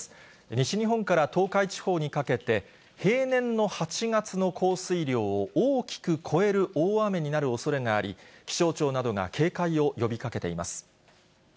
西日本から東海地方にかけて、平年の８月の降水量を大きく超える大雨になるおそれがあり、気象庁などが警戒を呼びかけています。